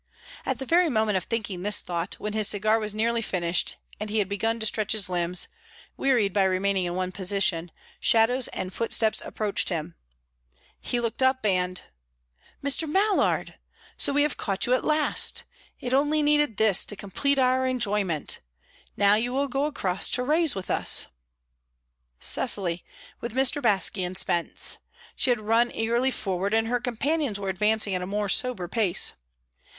At the very moment of thinking this thought, when his cigar was nearly finished and he had begun to stretch his limbs, wearied by remaining in one position, shadows and footsteps approached him. He looked up, and "Mr. Mallard! So we have caught you at last! It only needed this to complete our enjoyment. Now you will go across to Baiae with us." Cecily, with Mrs. Baske and Spence. She had run eagerly forward, and her companions were advancing at a more sober pace.